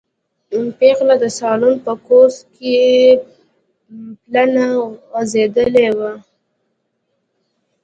پېغله د سالون په کوچ کې پلنه غځېدلې وه.